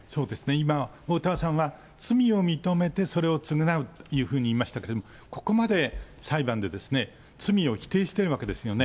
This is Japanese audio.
今、おおたわさんは罪を認めてそれを償うというふうに言いましたけど、ここまで裁判で罪を否定しているわけですよね。